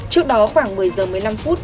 trước đó khoảng một mươi giờ một mươi năm phút